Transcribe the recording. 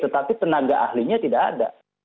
tetapi tenaga ahlinya tidak ada